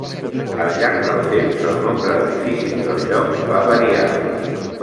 Al llarg del temps, el nombre d'edificis del lloc va variar.